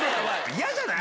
嫌じゃない？